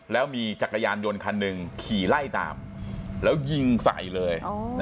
แล้วมีจักรยานยนต์คันหนึ่งขี่ไล่ตามแล้วยิงใส่เลย